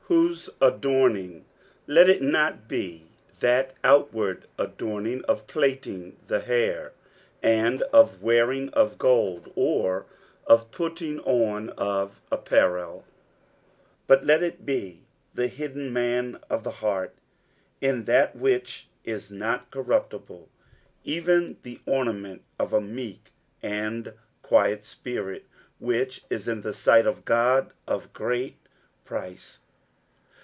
60:003:003 Whose adorning let it not be that outward adorning of plaiting the hair, and of wearing of gold, or of putting on of apparel; 60:003:004 But let it be the hidden man of the heart, in that which is not corruptible, even the ornament of a meek and quiet spirit, which is in the sight of God of great price.